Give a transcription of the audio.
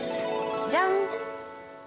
じゃん！